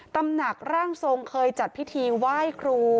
ตำหนักร่างทรงเคยจัดพิธีไหว้ครู